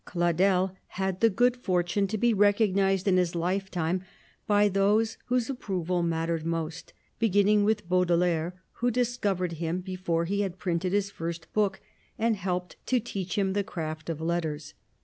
Cladel had the good fortune to be recognised in his lifetime by those whose approval mattered most, beginning with Baudelaire, who discovered him before he had printed his first book, and helped to teach him the craft of letters.